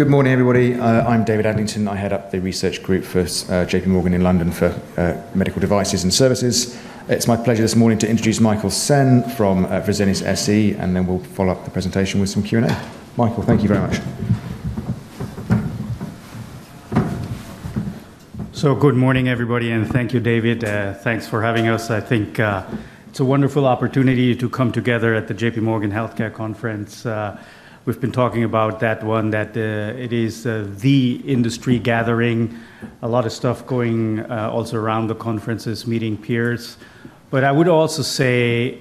Good morning, everybody. I'm David Adlington. I head up the research group for JPMorgan in London for medical devices and services. It's my pleasure this morning to introduce Michael Sen from Fresenius SE, and then we'll follow up the presentation with some Q&A. Michael, thank you very much. So good morning, everybody, and thank you, David. Thanks for having us. I think it's a wonderful opportunity to come together at the JPMorgan Healthcare Conference. We've been talking about that one, that it is the industry gathering, a lot of stuff going also around the conferences, meeting peers. But I would also say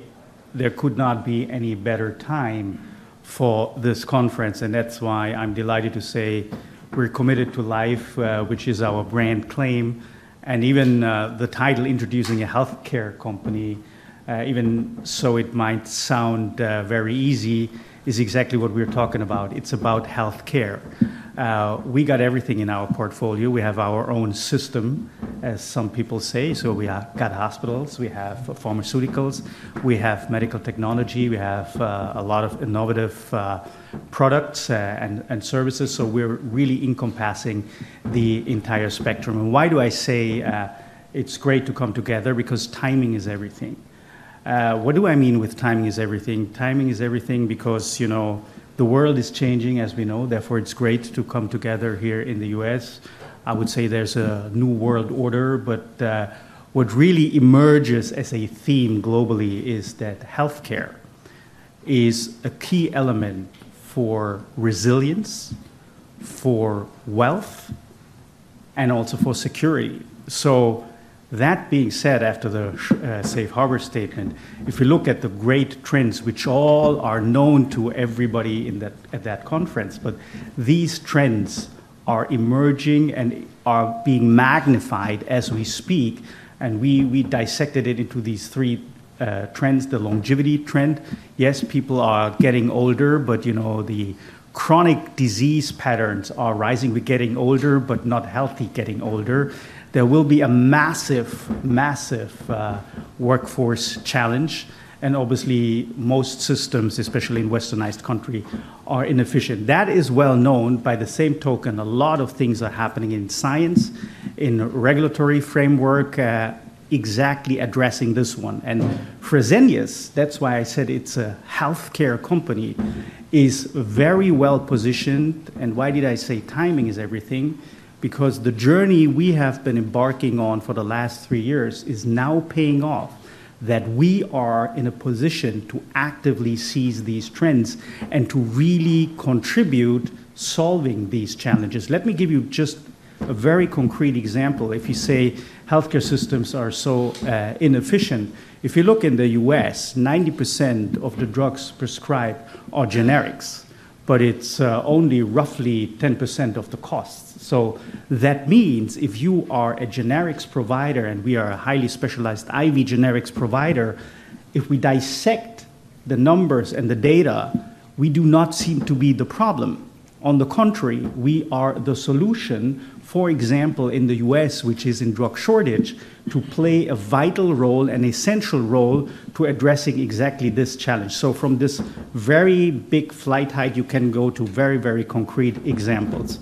there could not be any better time for this conference, and that's why I'm delighted to say we're Committed to Life, which is our brand claim. And even the title, Introducing a Healthcare Company, even so it might sound very easy, is exactly what we're talking about. It's about healthcare. We got everything in our portfolio. We have our own system, as some people say. So we have hospitals, we have pharmaceuticals, we have medical technology, we have a lot of innovative products and services. So we're really encompassing the entire spectrum. And why do I say it's great to come together? Because timing is everything. What do I mean with timing is everything? Timing is everything because the world is changing, as we know. Therefore, it's great to come together here in the U.S. I would say there's a new world order, but what really emerges as a theme globally is that healthcare is a key element for resilience, for wealth, and also for security. So that being said, after the Safe Harbor Statement, if you look at the great trends, which all are known to everybody at that conference, but these trends are emerging and are being magnified as we speak. And we dissected it into these three trends: the longevity trend. Yes, people are getting older, but the chronic disease patterns are rising. We're getting older, but not healthy getting older. There will be a massive, massive workforce challenge. Obviously, most systems, especially in a westernized country, are inefficient. That is well known by the same token. A lot of things are happening in science, in regulatory framework, exactly addressing this one. Fresenius, that's why I said it's a healthcare company, is very well positioned. Why did I say timing is everything? Because the journey we have been embarking on for the last three years is now paying off, that we are in a position to actively seize these trends and to really contribute to solving these challenges. Let me give you just a very concrete example. If you say healthcare systems are so inefficient, if you look in the U.S., 90% of the drugs prescribed are generics, but it's only roughly 10% of the cost. So that means if you are a generics provider and we are a highly specialized IV generics provider, if we dissect the numbers and the data, we do not seem to be the problem. On the contrary, we are the solution, for example, in the U.S., which is in drug shortage, to play a vital role and essential role in addressing exactly this challenge. So from this very big flight height, you can go to very, very concrete examples.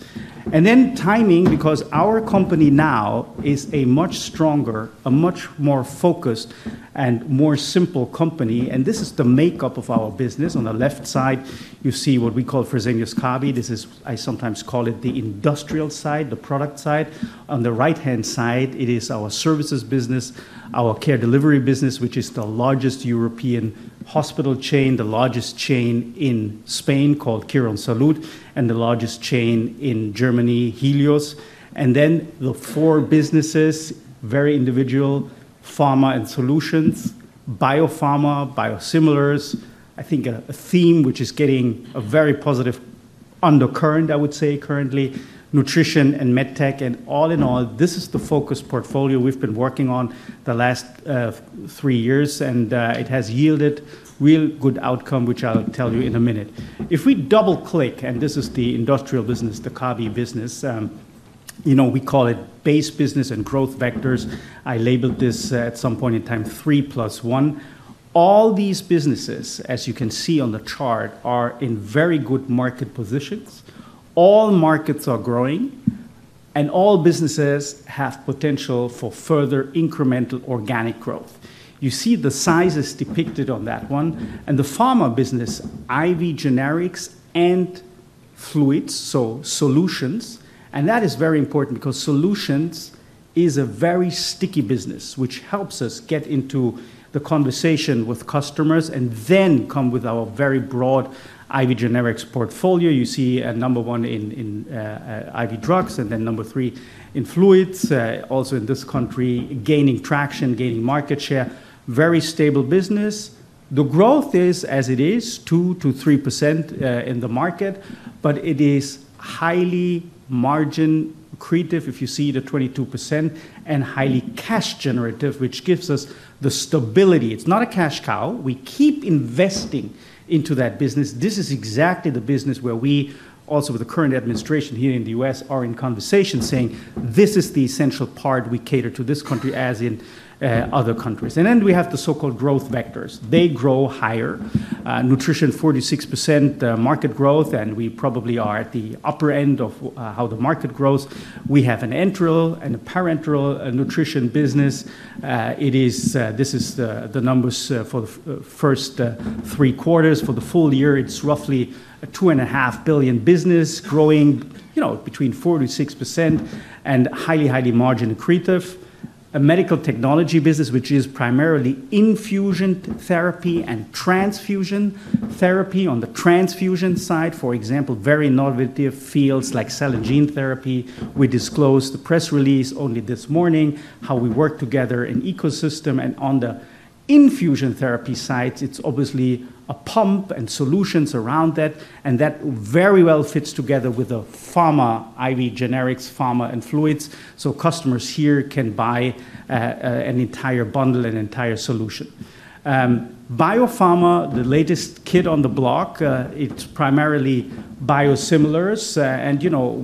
And then timing, because our company now is a much stronger, a much more focused, and more simple company. And this is the makeup of our business. On the left side, you see what we call Fresenius Kabi. This is, I sometimes call it the industrial side, the product side. On the right-hand side, it is our services business, our care delivery business, which is the largest European hospital chain, the largest chain in Spain called Quirónsalud, and the largest chain in Germany, Helios. Then the four businesses, very individual: pharma and solutions, biopharma, biosimilars. I think a theme which is getting a very positive undercurrent, I would say currently, nutrition and med tech. And all in all, this is the focus portfolio we've been working on the last three years, and it has yielded real good outcome, which I'll tell you in a minute. If we double-click, and this is the industrial business, the Kabi business, we call it base business and growth vectors. I labeled this at some point in time, three plus one. All these businesses, as you can see on the chart, are in very good market positions. All markets are growing, and all businesses have potential for further incremental organic growth. You see the sizes depicted on that one, and the pharma business, IV generics and fluids, so solutions, and that is very important because solutions is a very sticky business, which helps us get into the conversation with customers and then come with our very broad IV generics portfolio. You see a number one in IV drugs and then number three in fluids, also in this country, gaining traction, gaining market share, very stable business. The growth is, as it is, 2%-3% in the market, but it is highly margin accretive, if you see the 22%, and highly cash generative, which gives us the stability. It's not a cash cow. We keep investing into that business. This is exactly the business where we, also with the current administration here in the U.S., are in conversation saying, this is the essential part we cater to this country as in other countries. And then we have the so-called growth vectors. They grow higher. Nutrition, 46% market growth, and we probably are at the upper end of how the market grows. We have an enteral and a parenteral nutrition business. This is the numbers for the first three quarters. For the full year, it's roughly a $2.5 billion business growing between 4%-6% and highly, highly margin accretive. A medical technology business, which is primarily infusion therapy and transfusion therapy on the transfusion side. For example, very innovative fields like cell and gene therapy. We disclosed the press release only this morning, how we work together in ecosystem. On the infusion therapy side, it's obviously a pump and solutions around that. That very well fits together with the pharma IV generics, pharma, and fluids. Customers here can buy an entire bundle, an entire solution. Biopharma, the latest kid on the block, it's primarily biosimilars.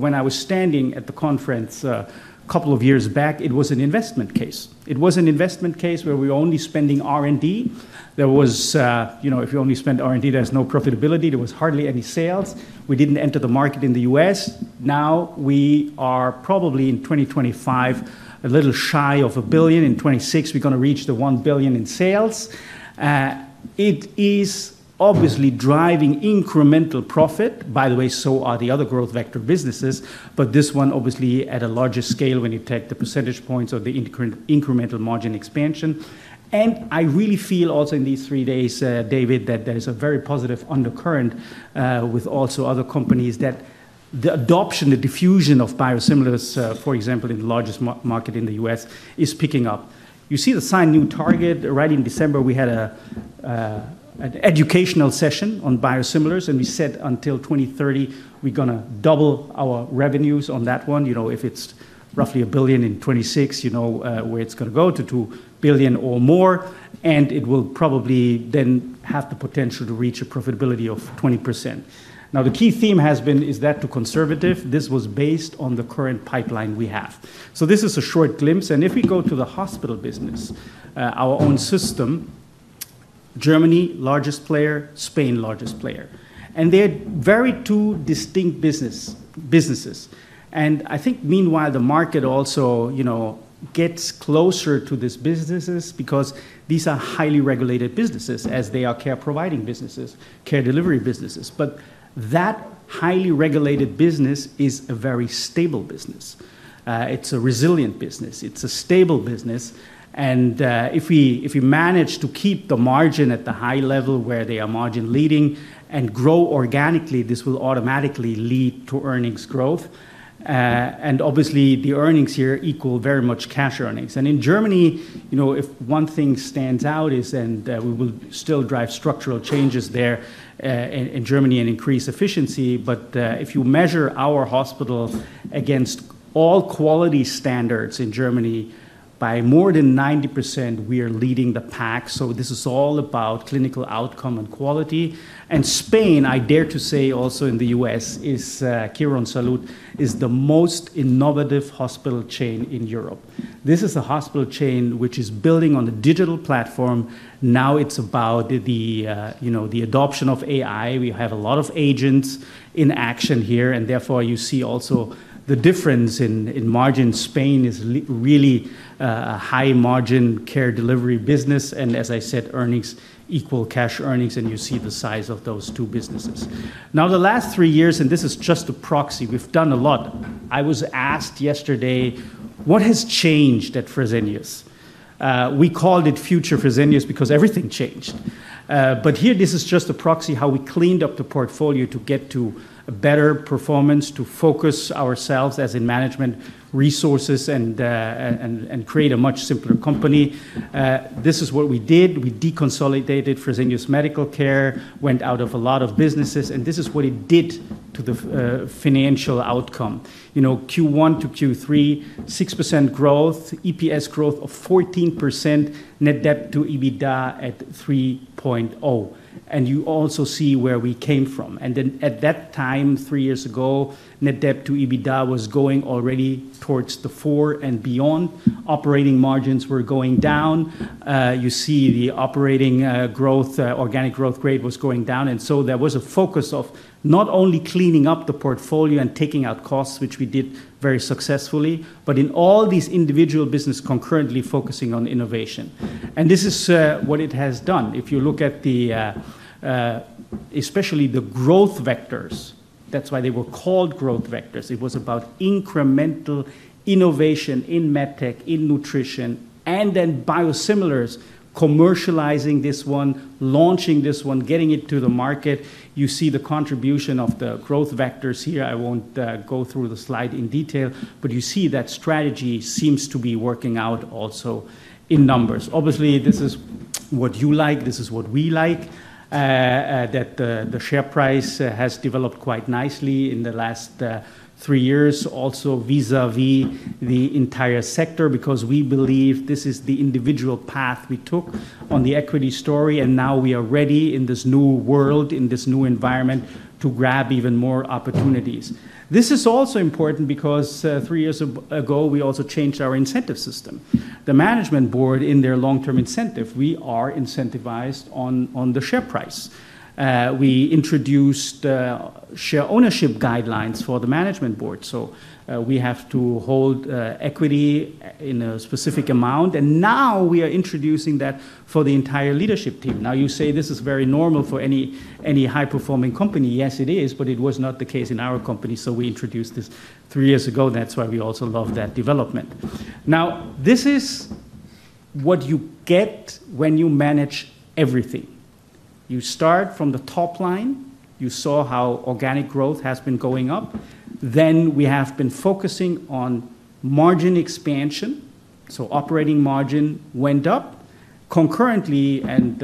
When I was standing at the conference a couple of years back, it was an investment case. It was an investment case where we were only spending R&D. There was, if you only spend R&D, there's no profitability. There was hardly any sales. We didn't enter the market in the U.S. Now we are probably in 2025, a little shy of $1 billion. In 2026, we're going to reach the $1 billion in sales. It is obviously driving incremental profit. By the way, so are the other growth vector businesses, but this one obviously at a larger scale when you take the percentage points of the incremental margin expansion. And I really feel also in these three days, David, that there's a very positive undercurrent with also other companies that the adoption, the diffusion of biosimilars, for example, in the largest market in the U.S. is picking up. You see the signed new target. Right in December, we had an educational session on biosimilars, and we said until 2030, we're going to double our revenues on that one. If it's roughly $1 billion in 2026, where it's going to go to $2 billion or more, and it will probably then have the potential to reach a profitability of 20%. Now, the key theme has been is that too conservative. This was based on the current pipeline we have. So this is a short glimpse. And if we go to the hospital business, our own system, Germany, largest player, Spain, largest player. And they're very two distinct businesses. And I think meanwhile, the market also gets closer to these businesses because these are highly regulated businesses as they are care providing businesses, care delivery businesses. But that highly regulated business is a very stable business. It's a resilient business. It's a stable business. And if we manage to keep the margin at the high level where they are margin leading and grow organically, this will automatically lead to earnings growth. And obviously, the earnings here equal very much cash earnings. And in Germany, if one thing stands out is, and we will still drive structural changes there in Germany and increase efficiency, but if you measure our hospital against all quality standards in Germany, by more than 90%, we are leading the pack. So this is all about clinical outcome and quality. And Spain, I dare to say also in the U.S., Quirónsalud is the most innovative hospital chain in Europe. This is a hospital chain which is building on a digital platform. Now it's about the adoption of AI. We have a lot of agents in action here, and therefore you see also the difference in margin. Spain is really a high margin care delivery business. And as I said, earnings equal cash earnings, and you see the size of those two businesses. Now, the last three years, and this is just a proxy, we've done a lot. I was asked yesterday, what has changed at Fresenius? We called it #FutureFresenius because everything changed, but here, this is just a proxy how we cleaned up the portfolio to get to better performance, to focus ourselves as in management resources and create a much simpler company. This is what we did. We deconsolidated Fresenius Medical Care, went out of a lot of businesses, and this is what it did to the financial outcome. Q1 to Q3, 6% growth, EPS growth of 14%, net debt to EBITDA at 3.0%. You also see where we came from, and then at that time, three years ago, net debt to EBITDA was going already towards the 4% and beyond. Operating margins were going down. You see the operating growth, organic growth rate was going down. And so there was a focus of not only cleaning up the portfolio and taking out costs, which we did very successfully, but in all these individual businesses concurrently focusing on innovation. And this is what it has done. If you look at especially the growth vectors, that's why they were called growth vectors. It was about incremental innovation in MedTech, in nutrition, and then biosimilars commercializing this one, launching this one, getting it to the market. You see the contribution of the growth vectors here. I won't go through the slide in detail, but you see that strategy seems to be working out also in numbers. Obviously, this is what you like. This is what we like, that the share price has developed quite nicely in the last three years, also vis-à-vis the entire sector because we believe this is the individual path we took on the equity story. Now we are ready in this new world, in this new environment, to grab even more opportunities. This is also important because three years ago, we also changed our incentive system. The management board in their long-term incentive, we are incentivized on the share price. We introduced share ownership guidelines for the management board. We have to hold equity in a specific amount. Now we are introducing that for the entire leadership team. You say this is very normal for any high-performing company. Yes, it is, but it was not the case in our company. We introduced this three years ago. That's why we also love that development. Now, this is what you get when you manage everything. You start from the top line. You saw how organic growth has been going up. Then we have been focusing on margin expansion, so operating margin went up. Concurrently, and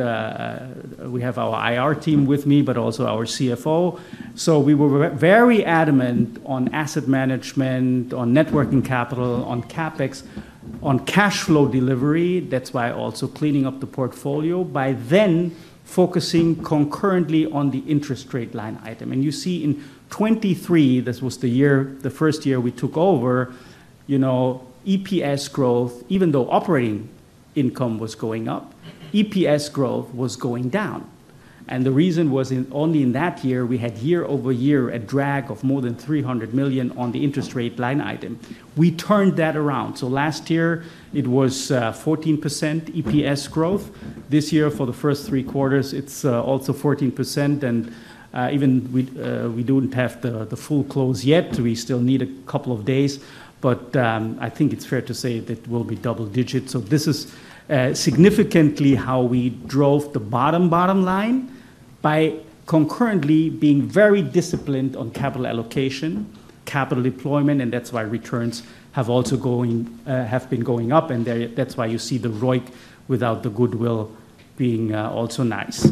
we have our IR team with me, but also our CFO, so we were very adamant on asset management, on net working capital, on CapEx, on cash flow delivery. That's why also cleaning up the portfolio by then focusing concurrently on the interest rate line item, and you see in 2023, this was the year, the first year we took over, EPS growth, even though operating income was going up, EPS growth was going down. And the reason was only in that year, we had year-over-year a drag of more than $300 million on the interest rate line item. We turned that around, so last year, it was 14% EPS growth. This year, for the first three quarters, it's also 14%, and even we don't have the full close yet. We still need a couple of days, but I think it's fair to say that we'll be double-digits, so this is significantly how we drove the bottom line by concurrently being very disciplined on capital allocation, capital deployment, and that's why returns have also been going up, and that's why you see the ROIC without the Goodwill being also nice.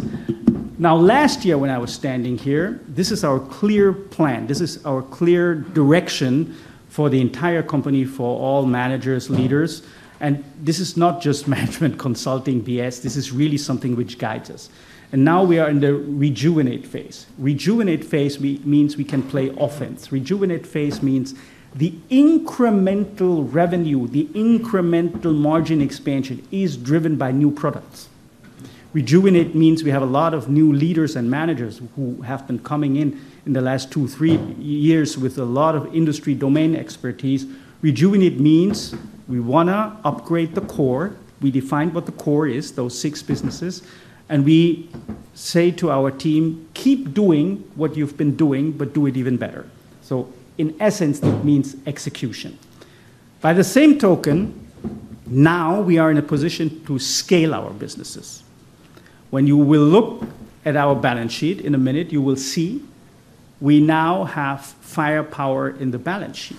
Now, last year when I was standing here, this is our clear plan. This is our clear direction for the entire company, for all managers, leaders, and this is not just management consulting BS. This is really something which guides us, and now we are in the rejuvenate phase. Rejuvenate phase means we can play offense. Rejuvenate phase means the incremental revenue, the incremental margin expansion is driven by new products. Rejuvenate means we have a lot of new leaders and managers who have been coming in in the last two, three years with a lot of industry domain expertise. Rejuvenate means we want to upgrade the core. We defined what the core is, those six businesses. And we say to our team, keep doing what you've been doing, but do it even better. So in essence, it means execution. By the same token, now we are in a position to scale our businesses. When you will look at our balance sheet in a minute, you will see we now have firepower in the balance sheet.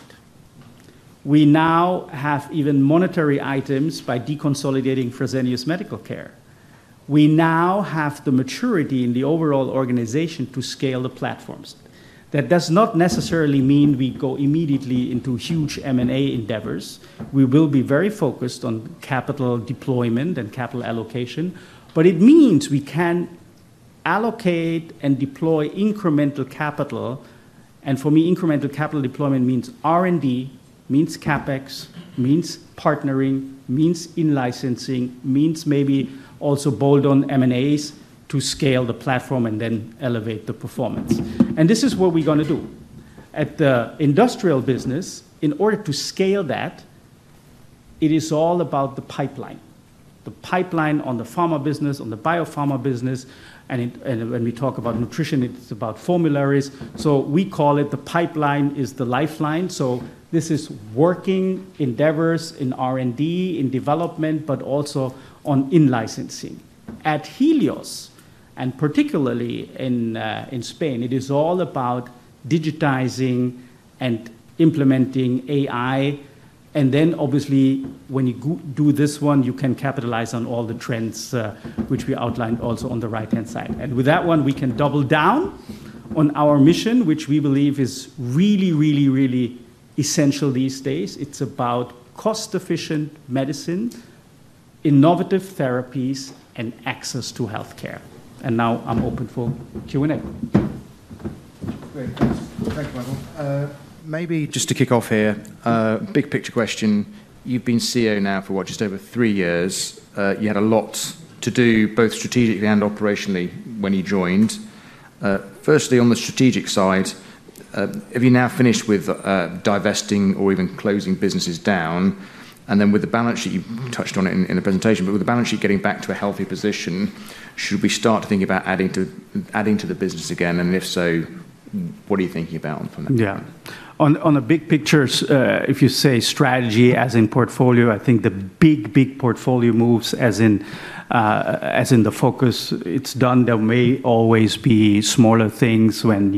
We now have even monetary items by deconsolidating Fresenius Medical Care. We now have the maturity in the overall organization to scale the platforms. That does not necessarily mean we go immediately into huge M&A endeavors. We will be very focused on capital deployment and capital allocation. But it means we can allocate and deploy incremental capital. And for me, incremental capital deployment means R&D, means CapEx, means partnering, means in-licensing, means maybe also bolt-on M&As to scale the platform and then elevate the performance. And this is what we're going to do. At the industrial business, in order to scale that, it is all about the pipeline. The pipeline on the pharma business, on the biopharma business. And when we talk about nutrition, it's about formularies. So we call it the pipeline is the lifeline. So this is working endeavors in R&D, in development, but also on in-licensing. At Helios, and particularly in Spain, it is all about digitizing and implementing AI. And then obviously, when you do this one, you can capitalize on all the trends which we outlined also on the right-hand side. And with that one, we can double down on our mission, which we believe is really, really, really essential these days. It's about cost-efficient medicine, innovative therapies, and access to healthcare. And now I'm open for Q&A. Great. Thanks, Michael. Maybe just to kick off here, big picture question. You've been CEO now for what, just over three years. You had a lot to do both strategically and operationally when you joined. Firstly, on the strategic side, have you now finished with divesting or even closing businesses down? And then with the balance sheet, you touched on it in the presentation, but with the balance sheet getting back to a healthy position, should we start to think about adding to the business again? If so, what are you thinking about from that point? Yeah. On the big picture, if you say strategy as in portfolio, I think the big, big portfolio moves as in the focus. It's done. There may always be smaller things when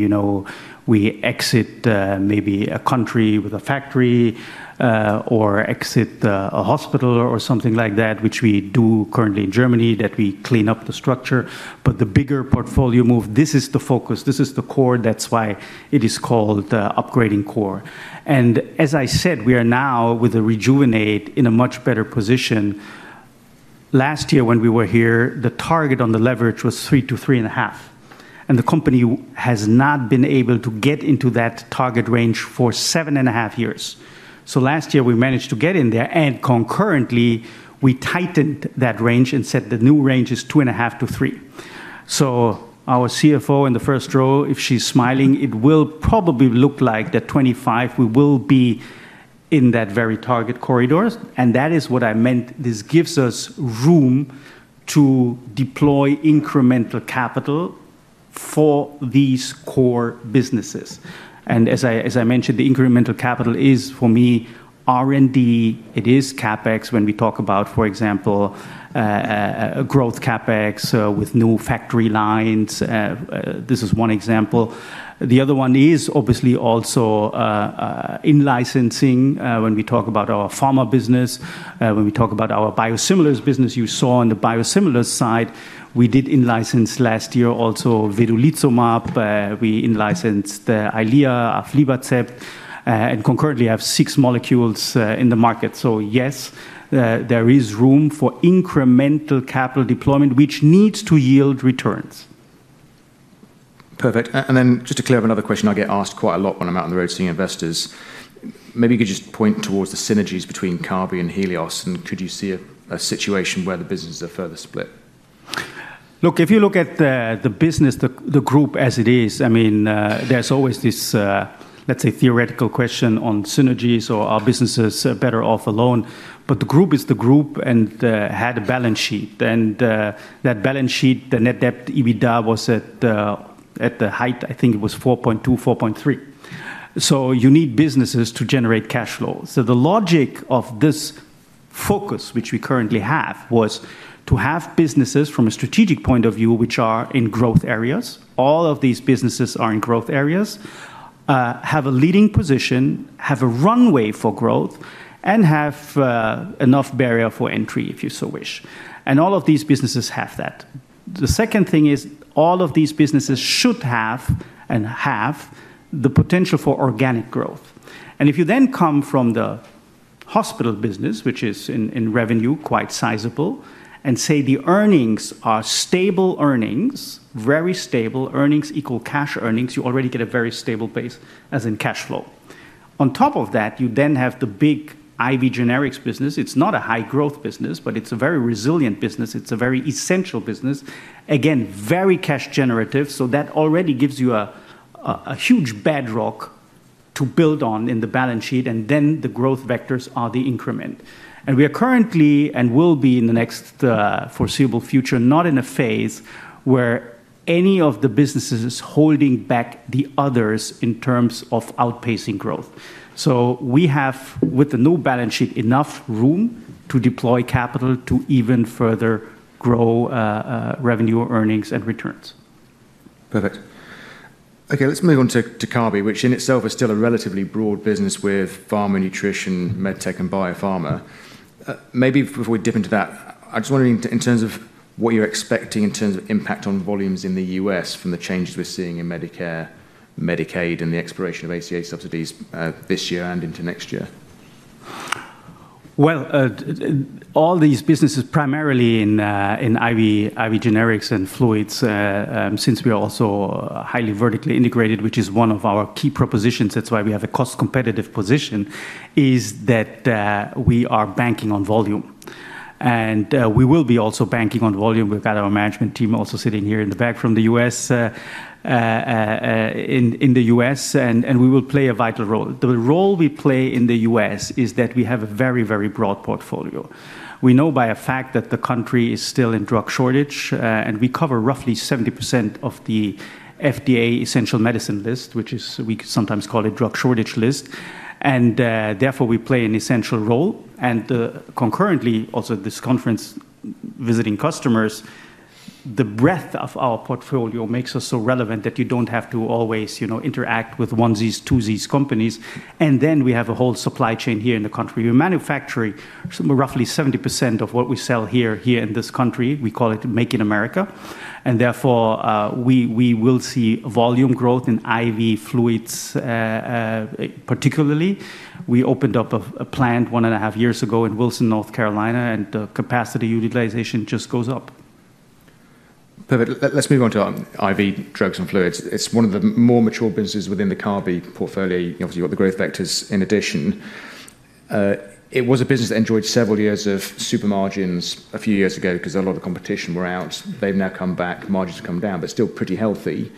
we exit maybe a country with a factory or exit a hospital or something like that, which we do currently in Germany, that we clean up the structure. But the bigger portfolio move, this is the focus. This is the core. That's why it is called upgrading core. And as I said, we are now with a rejuvenated in a much better position. Last year when we were here, the target on the leverage was three to three and a half. And the company has not been able to get into that target range for seven and a half years. Last year, we managed to get in there. Concurrently, we tightened that range and said the new range is two and a half to three. Our CFO in the first row, if she's smiling, it will probably look like that 2.5, we will be in that very target corridor. That is what I meant. This gives us room to deploy incremental capital for these core businesses. As I mentioned, the incremental capital is for me R&D. It is CapEx when we talk about, for example, growth CapEx with new factory lines. This is one example. The other one is obviously also in-licensing when we talk about our pharma business. When we talk about our biosimilars business, you saw on the biosimilars side, we did in-license last year also vedolizumab. We in-licensed Eylea, aflibercept, and concurrently have six molecules in the market. So yes, there is room for incremental capital deployment, which needs to yield returns. Perfect. And then just to clear up another question I get asked quite a lot when I'm out on the road seeing investors. Maybe you could just point towards the synergies between Kabi and Helios, and could you see a situation where the businesses are further split? Look, if you look at the business, the group as it is, I mean, there's always this, let's say, theoretical question on synergies or are businesses better off alone. But the group is the group and had a balance sheet. And that balance sheet, the net debt EBITDA was at the height, I think it was 4.2%, 4.3%. So you need businesses to generate cash flow. So the logic of this focus, which we currently have, was to have businesses from a strategic point of view, which are in growth areas. All of these businesses are in growth areas, have a leading position, have a runway for growth, and have enough barrier for entry, if you so wish. And all of these businesses have that. The second thing is all of these businesses should have and have the potential for organic growth. And if you then come from the hospital business, which is in revenue, quite sizable, and say the earnings are stable earnings, very stable earnings equal cash earnings, you already get a very stable base as in cash flow. On top of that, you then have the big IV generics business. It's not a high-growth business, but it's a very resilient business. It's a very essential business. Again, very cash generative. So that already gives you a huge bedrock to build on in the balance sheet. And then the growth vectors are the increment. And we are currently and will be in the next foreseeable future, not in a phase where any of the businesses is holding back the others in terms of outpacing growth. So we have, with the new balance sheet, enough room to deploy capital to even further grow revenue, earnings, and returns. Perfect. Okay, let's move on to Kabi, which in itself is still a relatively broad business with pharma, nutrition, MedTech, and biopharma. Maybe before we dip into that, I just want to in terms of what you're expecting in terms of impact on volumes in the U.S. from the changes we're seeing in Medicare, Medicaid, and the expiration of ACA subsidies this year and into next year. All these businesses primarily in IV generics and fluids, since we are also highly vertically integrated, which is one of our key propositions. That's why we have a cost-competitive position. It is that we are banking on volume. And we will be also banking on volume. We've got our management team also sitting here in the back from the U.S. And we will play a vital role. The role we play in the U.S. is that we have a very, very broad portfolio. We know as a fact that the country is still in drug shortage. And we cover roughly 70% of the FDA Essential Medicines List, which is, we sometimes call it, the drug shortage list. And therefore, we play an essential role. And, concurrently, also this conference visiting customers, the breadth of our portfolio makes us so relevant that you don't have to always interact with 1ZS, 2ZS companies. And then we have a whole supply chain here in the country. We manufacturing roughly 70% of what we sell here in this country. We call it Make in America. And therefore, we will see volume growth in IV fluids, particularly. We opened up a plant one and a half years ago in Wilson, North Carolina, and the capacity utilization just goes up. Perfect. Let's move on to IV drugs and fluids. It's one of the more mature businesses within the Kabi portfolio. You obviously got the growth factors in addition. It was a business that enjoyed several years of super margins a few years ago because a lot of competition were out. They've now come back. Margins have come down, but still pretty healthy.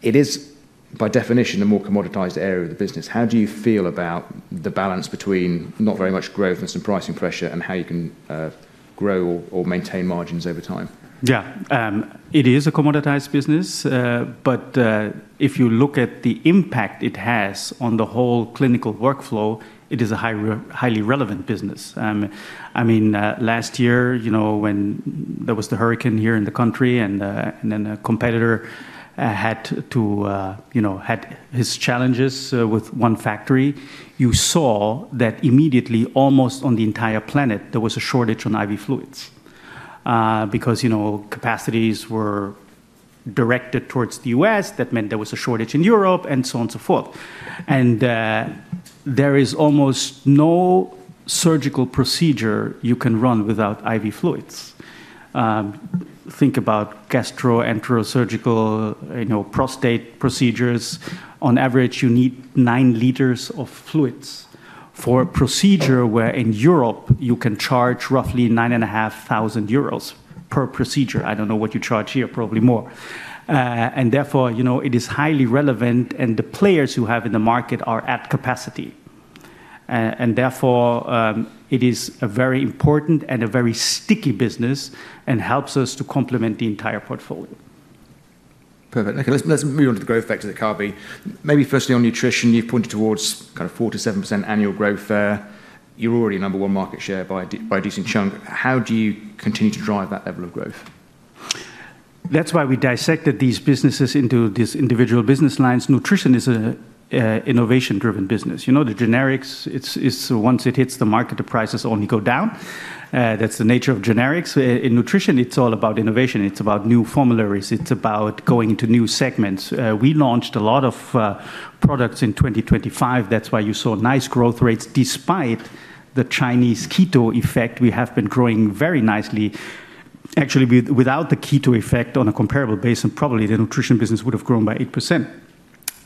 It is, by definition, a more commoditized area of the business. How do you feel about the balance between not very much growth and some pricing pressure and how you can grow or maintain margins over time? Yeah. It is a commoditized business. But if you look at the impact it has on the whole clinical workflow, it is a highly relevant business. I mean, last year, when there was the hurricane here in the country and then a competitor had to have his challenges with one factory, you saw that immediately, almost on the entire planet, there was a shortage on IV fluids because capacities were directed towards the U.S. That meant there was a shortage in Europe and so on and so forth, and there is almost no surgical procedure you can run without IV fluids. Think about gastroenterosurgical prostate procedures. On average, you need nine liters of fluids for a procedure where in Europe, you can charge roughly 9,500 euros per procedure. I don't know what you charge here, probably more. And therefore, it is highly relevant. And the players you have in the market are at capacity. And therefore, it is a very important and a very sticky business and helps us to complement the entire portfolio. Perfect. Okay, let's move on to the growth factors at Kabi. Maybe firstly on nutrition, you've pointed towards kind of 4%-7% annual growth there. You're already number one market share by a decent chunk. How do you continue to drive that level of growth? That's why we dissected these businesses into these individual business lines. Nutrition is an innovation-driven business. The generics, once it hits the market, the prices only go down. That's the nature of generics. In nutrition, it's all about innovation. It's about new formulas. It's about going into new segments. We launched a lot of products in 2025. That's why you saw nice growth rates. Despite the Chinese VBP effect, we have been growing very nicely. Actually, without the VBP effect on a comparable basis, probably the nutrition business would have grown by 8%.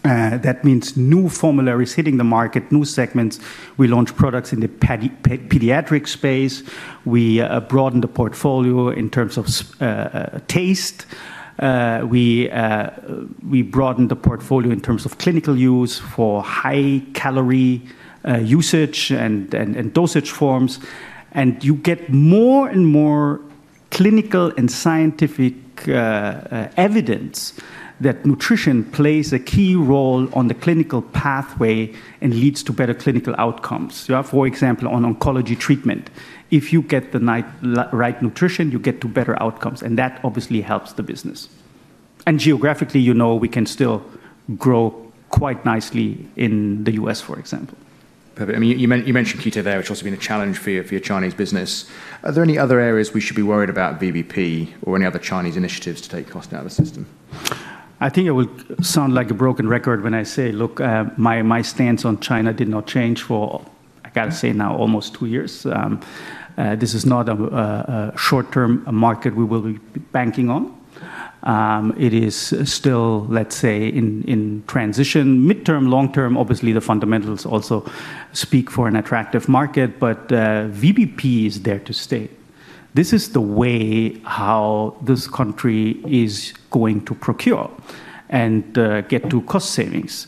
That means new formulas hitting the market, new segments. We launched products in the pediatric space. We broadened the portfolio in terms of taste. We broadened the portfolio in terms of clinical use for high-calorie usage and dosage forms, and you get more and more clinical and scientific evidence that nutrition plays a key role on the clinical pathway and leads to better clinical outcomes. For example, on oncology treatment, if you get the right nutrition, you get to better outcomes, and that obviously helps the business. Geographically, we can still grow quite nicely in the U.S., for example. Perfect. I mean, you mentioned Kabi there, which has also been a challenge for your Chinese business. Are there any other areas we should be worried about VBP or any other Chinese initiatives to take cost out of the system? I think it will sound like a broken record when I say, look, my stance on China did not change for, I got to say now, almost two years. This is not a short-term market we will be banking on. It is still, let's say, in transition, mid-term, long-term. Obviously, the fundamentals also speak for an attractive market, but VBP is there to stay. This is the way how this country is going to procure and get to cost savings,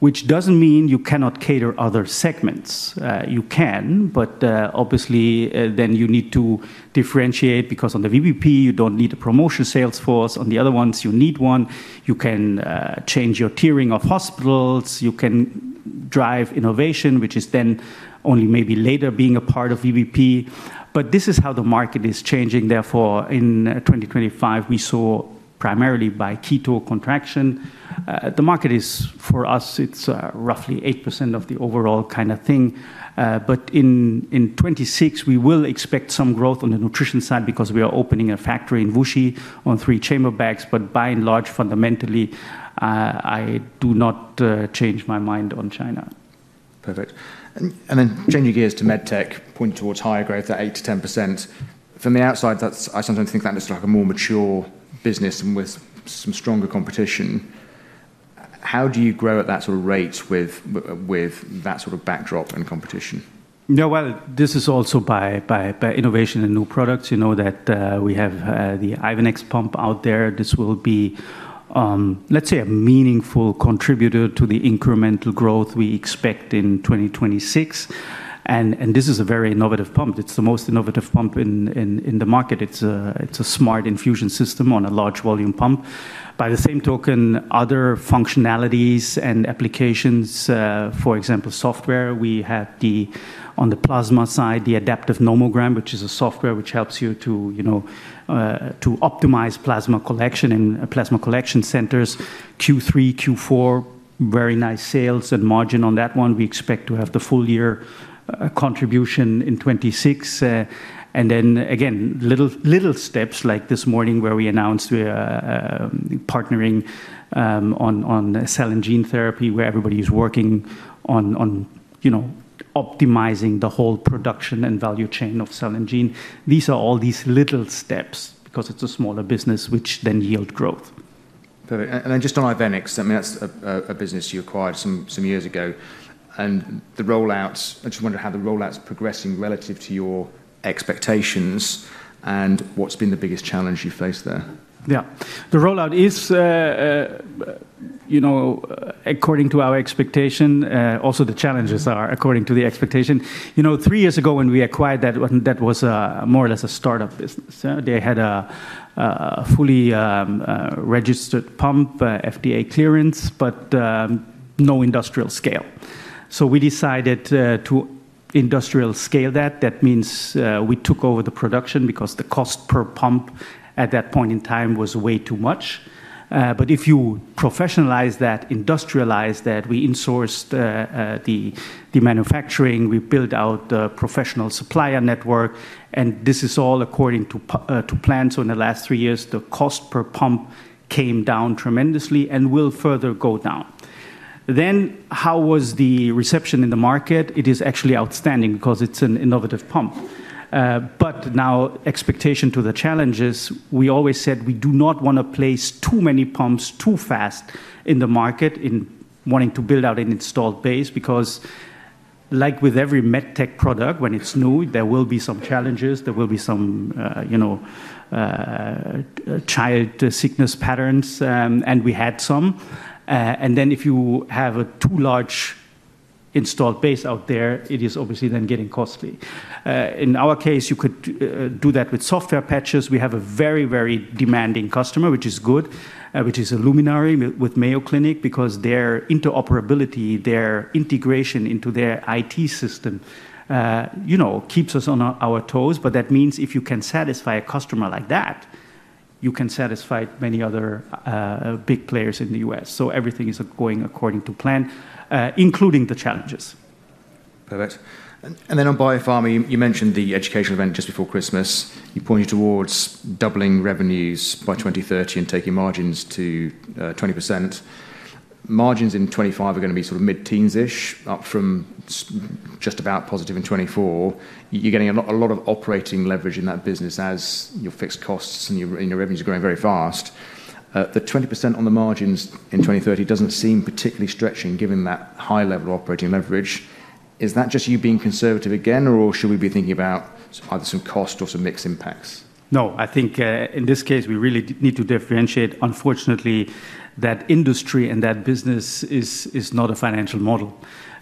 which doesn't mean you cannot cater other segments. You can, but obviously, then you need to differentiate because on the VBP, you don't need a promotion sales force. On the other ones, you need one. You can change your tiering of hospitals. You can drive innovation, which is then only maybe later being a part of VBP. But this is how the market is changing. Therefore, in 2025, we saw primarily by Kabi contraction. The market is, for us, it's roughly 8% of the overall kind of thing. But in 2026, we will expect some growth on the nutrition side because we are opening a factory in Wuxi on three chamber bags. But by and large, fundamentally, I do not change my mind on China. Perfect. And then changing gears to MedTech, pointing towards higher growth at 8%-10%. From the outside, I sometimes think that's like a more mature business and with some stronger competition. How do you grow at that sort of rate with that sort of backdrop and competition? No, well, this is also by innovation and new products. You know that we have the Ivenix pump out there. This will be, let's say, a meaningful contributor to the incremental growth we expect in 2026. And this is a very innovative pump. It's the most innovative pump in the market. It's a smart infusion system on a large volume pump. By the same token, other functionalities and applications, for example, software. We have on the plasma side, the adaptive nomogram, which is a software which helps you to optimize plasma collection in plasma collection centers, Q3, Q4, very nice sales and margin on that one. We expect to have the full year contribution in 2026. And then again, little steps like this morning where we announced we are partnering on cell and gene therapy where everybody is working on optimizing the whole production and value chain of cell and gene. These are all these little steps because it's a smaller business, which then yield growth. Perfect. And then just on Ivenix, I mean, that's a business you acquired some years ago. And the rollouts, I just wondered how the rollouts are progressing relative to your expectations and what's been the biggest challenge you faced there. Yeah. The rollout is, according to our expectation, also the challenges are according to the expectation. Three years ago when we acquired that, that was more or less a startup business. They had a fully registered pump, FDA clearance, but no industrial scale. So we decided to industrial scale that. That means we took over the production because the cost per pump at that point in time was way too much. But if you professionalize that, industrialize that, we insourced the manufacturing, we built out the professional supplier network, and this is all according to plan. So in the last three years, the cost per pump came down tremendously and will further go down. Then how was the reception in the market? It is actually outstanding because it's an innovative pump. But now, expectation to the challenges. We always said we do not want to place too many pumps too fast in the market in wanting to build out an installed base because, like with every MedTech product, when it is new, there will be some challenges. There will be some child sickness patterns, and we had some. And then if you have a too large installed base out there, it is obviously then getting costly. In our case, you could do that with software patches. We have a very, very demanding customer, which is good, which is Ivenix with Mayo Clinic because their interoperability, their integration into their IT system keeps us on our toes. But that means if you can satisfy a customer like that, you can satisfy many other big players in the U.S. So everything is going according to plan, including the challenges. Perfect. And then on biopharma, you mentioned the educational event just before Christmas. You pointed towards doubling revenues by 2030 and taking margins to 20%. Margins in 2025 are going to be sort of mid-teens-ish, up from just about positive in 2024. You're getting a lot of operating leverage in that business as your fixed costs and your revenues are growing very fast. The 20% on the margins in 2030 doesn't seem particularly stretching given that high level of operating leverage. Is that just you being conservative again, or should we be thinking about either some cost or some mixed impacts? No, I think in this case, we really need to differentiate, unfortunately, that industry and that business is not a financial model.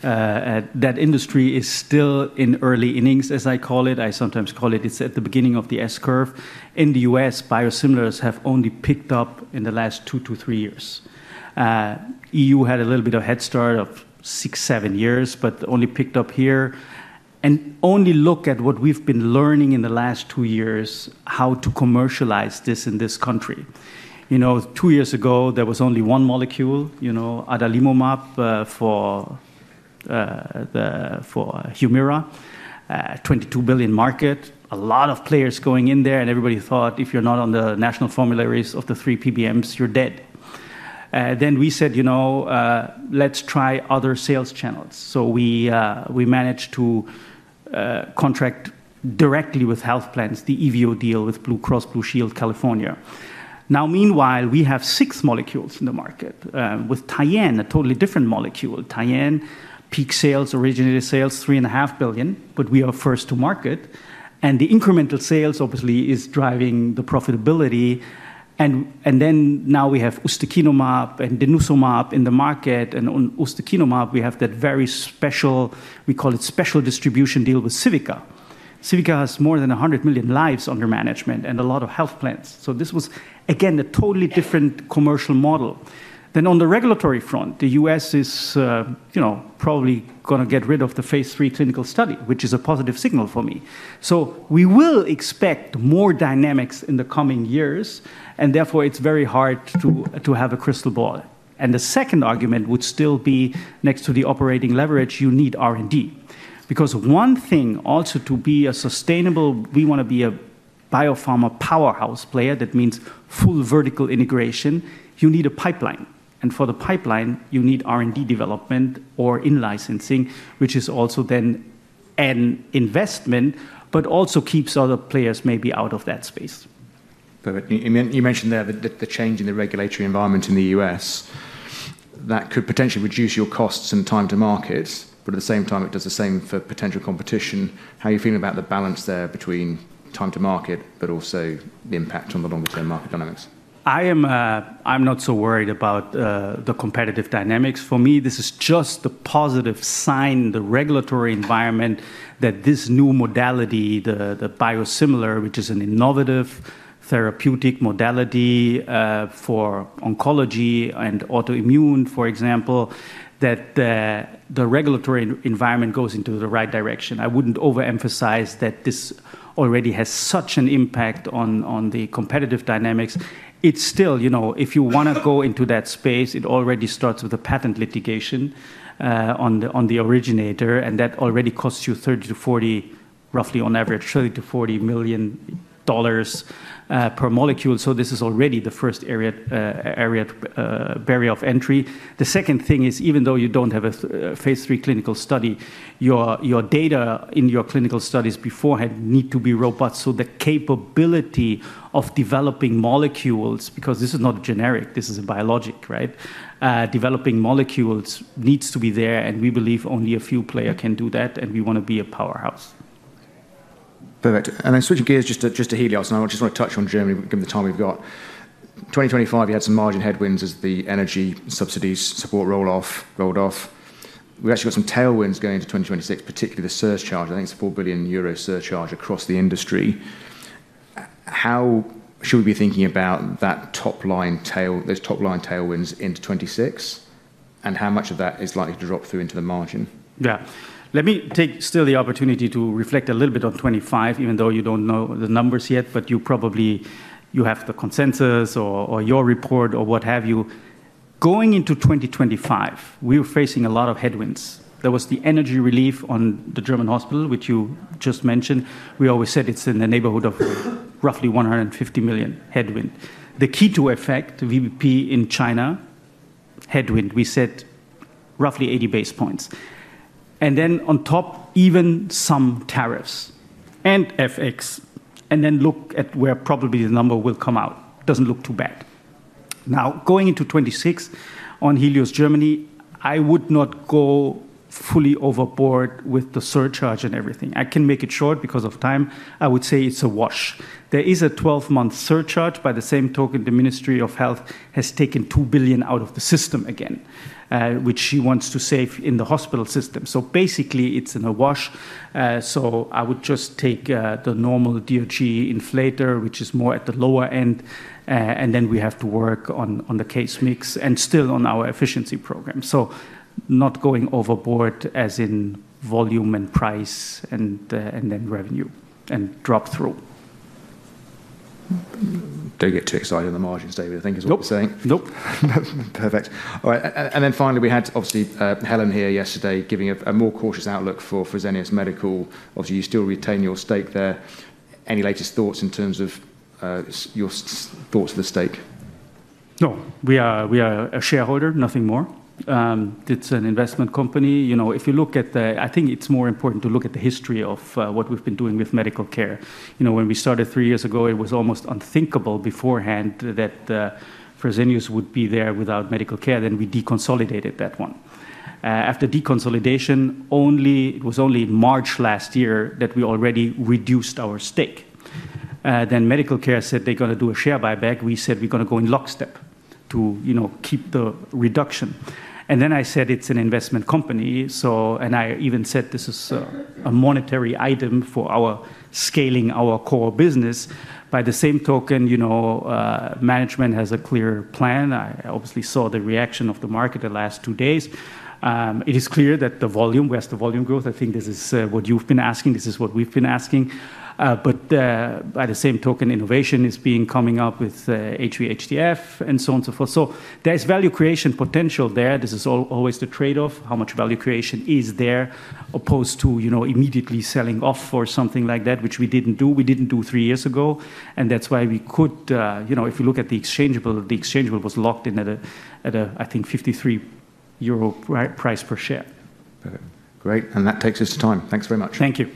That industry is still in early innings, as I call it. I sometimes call it it's at the beginning of the S-curve. In the U.S., biosimilars have only picked up in the last two to three years. EU had a little bit of head start of six, seven years, but only picked up here, and only look at what we've been learning in the last two years, how to commercialize this in this country. Two years ago, there was only one molecule, adalimumab for HUMIRA, $22 billion market, a lot of players going in there, and everybody thought, if you're not on the national formularies of the three PBMs, you're dead, then we said, let's try other sales channels, so we managed to contract directly with health plans, our deal with Blue Cross Blue Shield of California. Now, meanwhile, we have six molecules in the market with TYENNE, a totally different molecule. TYENNE peak sales, originator sales, $3.5 billion, but we are first to market. And the incremental sales obviously is driving the profitability. And then now we have ustekinumab and denosumab in the market. And on ustekinumab, we have that very special, we call it special distribution deal with Civica. Civica has more than 100 million lives under management and a lot of health plans. So this was, again, a totally different commercial model. Then on the regulatory front, the U.S. is probably going to get rid of the phase III clinical study, which is a positive signal for me. So we will expect more dynamics in the coming years. And therefore, it's very hard to have a crystal ball. And the second argument would still be next to the operating leverage, you need R&D. Because one thing also to be sustainable, we want to be a biopharma powerhouse player. That means full vertical integration. You need a pipeline. For the pipeline, you need R&D development or in-licensing, which is also then an investment, but also keeps other players maybe out of that space. Perfect. You mentioned there that the change in the regulatory environment in the U.S., that could potentially reduce your costs and time to market, but at the same time, it does the same for potential competition. How are you feeling about the balance there between time to market, but also the impact on the longer-term market dynamics? I'm not so worried about the competitive dynamics. For me, this is just the positive sign in the regulatory environment that this new modality, the biosimilar, which is an innovative therapeutic modality for oncology and autoimmune, for example, that the regulatory environment goes into the right direction. I wouldn't overemphasize that this already has such an impact on the competitive dynamics. It's still, if you want to go into that space, it already starts with a patent litigation on the originator, and that already costs you $30 million-$40 million, roughly on average, $30 million-$40 million per molecule. So this is already the first area barrier of entry. The second thing is, even though you don't have a phase III clinical study, your data in your clinical studies beforehand need to be robust. So the capability of developing molecules, because this is not generic, this is a biologic, right? Developing molecules needs to be there, and we believe only a few players can do that, and we want to be a powerhouse. Perfect. And I switch gears just to Helios, and I just want to touch on Germany given the time we've got. 2025, you had some margin headwinds as the energy subsidies support rolled off. We've actually got some tailwinds going into 2026, particularly the surcharge. I think it's a 4 billion euro surcharge across the industry. How should we be thinking about those top-line tailwinds into 2026, and how much of that is likely to drop through into the margin? Yeah. Let me take still the opportunity to reflect a little bit on 2025, even though you don't know the numbers yet, but you probably have the consensus or your report or what have you. Going into 2025, we were facing a lot of headwinds. There was the energy relief on the German hospital, which you just mentioned. We always said it's in the neighborhood of roughly 150 million headwind. The key effect, VBP in China, headwind, we said roughly 80 basis points, and then on top, even some tariffs and FX, and then look at where probably the number will come out. Doesn't look too bad. Now, going into 2026, on Helios Germany, I would not go fully overboard with the surcharge and everything. I can make it short because of time. I would say it's a wash. There is a 12-month surcharge by the same token. The Ministry of Health has taken 2 billion out of the system again, which she wants to save in the hospital system. So basically, it's in a wash. So I would just take the normal DRG inflator, which is more at the lower end, and then we have to work on the case mix and still on our efficiency program. So not going overboard as in volume and price and then revenue and drop through. Don't get too excited on the margins, David. I think is what we're saying. Nope. Nope. Perfect. All right. And then finally, we had obviously Helen here yesterday giving a more cautious outlook for Fresenius Medical Care. Obviously, you still retain your stake there. Any latest thoughts in terms of your thoughts of the stake? No, we are a shareholder, nothing more. It's an investment company. If you look at the, I think it's more important to look at the history of what we've been doing with Medical Care. When we started three years ago, it was almost unthinkable beforehand that Fresenius would be there without Medical Care. Then we deconsolidated that one. After deconsolidation, it was only in March last year that we already reduced our stake. Then Medical Care said they're going to do a share buyback. We said we're going to go in lockstep to keep the reduction. And then I said it's an investment company. I even said this is a material item for scaling our core business. By the same token, management has a clear plan. I obviously saw the reaction of the market the last two days. It is clear that the volume, we have the volume growth. I think this is what you've been asking. This is what we've been asking. But by the same token, innovation is coming up with HVHDF and so on and so forth. So there is value creation potential there. This is always the trade-off. How much value creation is there opposed to immediately selling off for something like that, which we didn't do. We didn't do three years ago. And that's why we could, if you look at the exchangeable, the exchangeable was locked in at a, I think, 53 euro price per share. Perfect. Great. And that takes us to time. Thanks very much. Thank you.